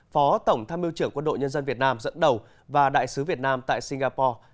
phó tổng tham mưu trưởng quân đội nhân dân việt nam dẫn đầu và đại sứ việt nam tại singapore